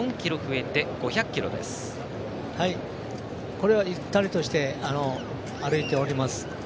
これはゆったりとして歩いております。